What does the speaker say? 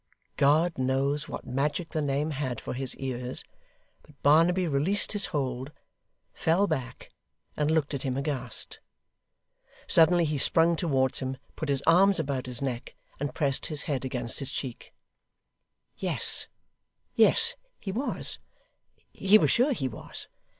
God knows what magic the name had for his ears; but Barnaby released his hold, fell back, and looked at him aghast. Suddenly he sprung towards him, put his arms about his neck, and pressed his head against his cheek. Yes, yes, he was; he was sure he was.